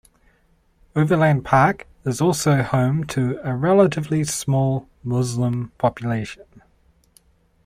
Overland Park is also home to a relatively small Muslim population.